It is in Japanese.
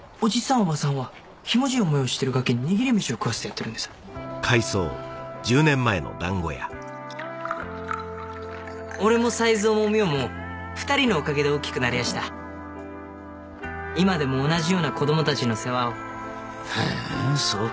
おばさんはひもじい思いをしてるガキに握り飯を食わせてやってるんでさぁ俺も才三も美代も２人のおかげで大きくなれやした今でも同じような子どもたちの世話をへぇそうか